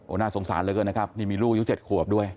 โอ้น่าสงสารเลยนะครับนี่มีลูกยุค๗ขวบด้วย